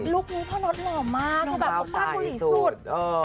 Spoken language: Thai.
ลูกนี้พ่อน็อตเหล่อมากเพราะว่ามากกว่าหลีสุด